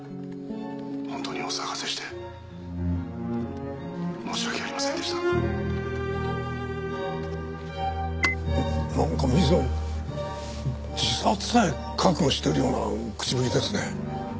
「本当にお騒がせして申し訳ありませんでした」なんか水野は自殺さえ覚悟してるような口ぶりですね。